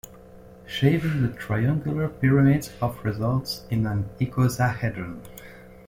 Shaving the triangular pyramids off results in an icosahedron.